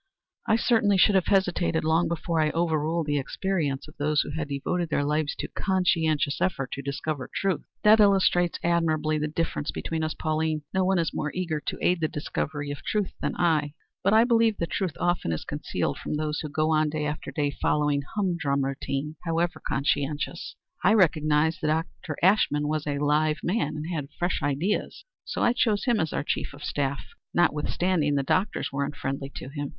"I certainly should have hesitated long before I overruled the experience of those who have devoted their lives to conscientious effort to discover truth." "That illustrates admirably the difference between us, Pauline. No one is more eager to aid the discovery of truth than I, but I believe that truth often is concealed from those who go on, day after day, following hum drum routine, however conscientious. I recognized that Dr. Ashmun was a live man and had fresh ideas, so I chose him as our chief of staff, notwithstanding the doctors were unfriendly to him.